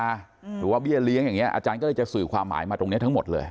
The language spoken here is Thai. หรือว่าเบี้ยเลี้ยงอย่างนี้อาจารย์ก็เลยจะสื่อความหมายมาตรงนี้ทั้งหมดเลย